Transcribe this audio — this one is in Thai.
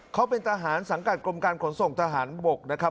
เขาเป็นทหารสังกัดกรมการขนส่งทหารบกนะครับ